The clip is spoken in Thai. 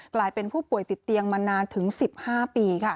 กลายเป็นผู้ป่วยติดเตียงมานานถึง๑๕ปี